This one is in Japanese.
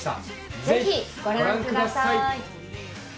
ぜひご覧ください。